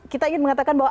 kita ingin mengatakan bahwa